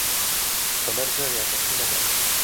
عومەر زۆر یارمەتی نەداین.